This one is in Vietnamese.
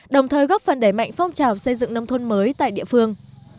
đồng thời góp phần đẩy mạnh phong trào xây dựng nông thôn mới tại địa phương